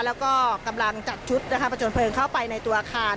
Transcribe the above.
แล้วก็กำลังจัดชุดนะคะประจนเพลิงเข้าไปในตัวอาคาร